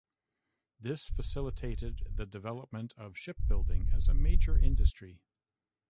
This facilitated the development of shipbuilding as a major industry.